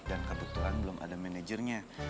dan kebetulan belum ada manajernya